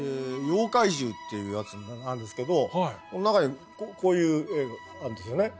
「妖怪獣」っていうやつがあるんですけどこの中にこういう絵あんですよね。